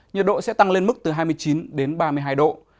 nhiệt độ sẽ tăng lên mức từ hai mươi chín đến ba mươi hai độ